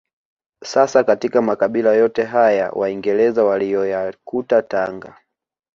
Sasa katika makabila yote haya waingereza waliyoyakuta Tanga